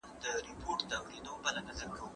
خصوصي سکتور د هیواد د ملا د تیر په څېر دی.